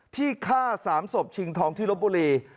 ที่ฆ่า๓ศพชิงทองที่ลบบุรี